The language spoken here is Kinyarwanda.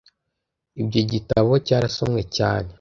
Ibyo gitabo cyarasomwe cyane.